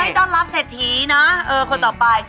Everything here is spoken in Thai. ต้องต้อนรับเสร็จทีนะคนต่อไป